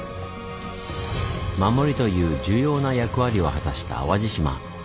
「守り」という重要な役割を果たした淡路島。